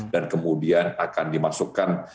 dan kemudian akan dimasukkan